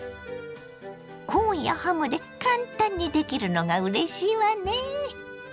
コーンやハムで簡単にできるのがうれしいわね。